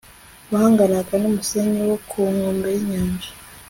bangana n'umusenyi wo ku nkombe y'inyanja